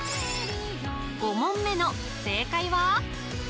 ５問目の正解は？